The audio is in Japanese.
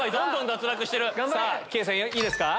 さぁ圭さんいいですか？